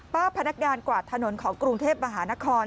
พนักงานกวาดถนนของกรุงเทพมหานคร